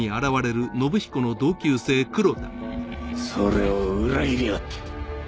それを裏切りやがって。